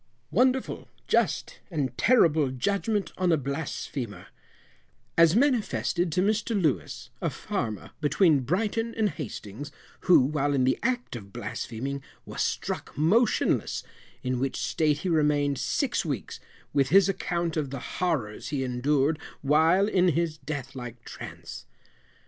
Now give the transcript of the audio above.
WONDERFUL, JUST, & TERRIBLE JUDGMENT ON A BLASPHEMER, As manifested to Mr Louis, a Farmer, between Brighton and Hastings, who, while in the act of blaspheming, was struck motionless, in which state he remained six weeks, with his account of the Horrors he endured while in his death like Trance.